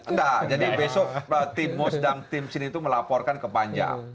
nggak jadi besok tim mos dan tim sini itu melaporkan ke panja